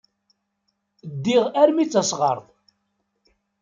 Ddiɣ armi d tasɣert.